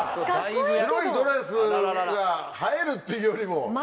白いドレスが映えるっていうよりも。